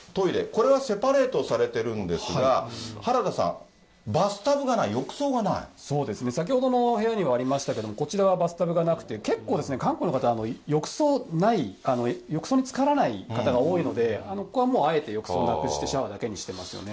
これはセパレートされてるんですが、原田さん、バスタブがない、そうですね、先ほどの部屋にはありましたけれども、こちらはバスタブがなくて、結構、韓国の方、浴槽ない、浴槽につからない方が多いので、ここはもうあえて浴槽をなくしてシャワーだけにしてますね。